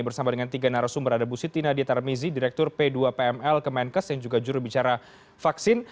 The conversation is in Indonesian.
bersama dengan tiga narasumber ada bu siti nadia tarmizi direktur p dua pml kemenkes yang juga jurubicara vaksin